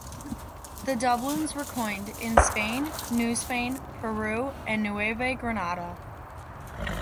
The doubloons were coined in Spain, New Spain, Peru and Nueva Granada.